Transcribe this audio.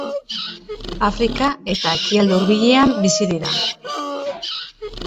Afrika eta Ekialde Hurbilean bizi dira.